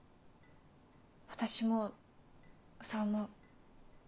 私もそう思う。